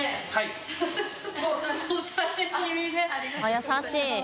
優しい。